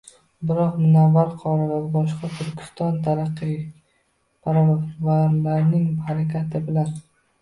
Biroq, Munavvar qori va boshqa turkistonlik taraqqiyparvarlarning harakati bilan